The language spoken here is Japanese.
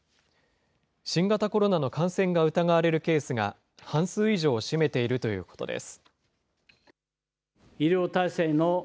新型コロナの感染が疑われるケースが半数以上を占めているということです。